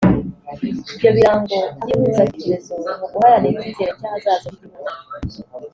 ibyo birango by’ihuzabitekerezo mu guharanira icyizere cy’ahazaza h’igihugu